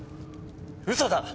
嘘だ！